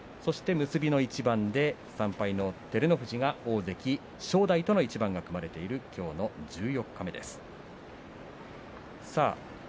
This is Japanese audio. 結びの一番で３敗の照ノ富士が大関正代との一番が組まれているきょうの十四日目です。